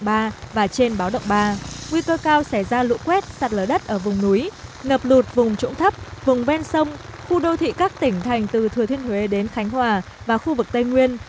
tại các tỉnh từ thừa thiên huế đến khánh hòa và khu vực tây nguyên nguy cơ cao xảy ra lũ quét sạt lở đất ở vùng núi ngập lụt vùng trũng thấp vùng ven sông khu đô thị các tỉnh thành từ thừa thiên huế đến khánh hòa và khu vực tây nguyên